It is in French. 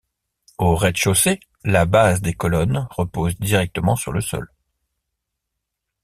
Au rez-de-chaussée, la base des colonnes repose directement sur le sol.